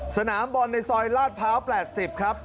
สนามบอลในซอยลาดพร้าว๘๐ครับ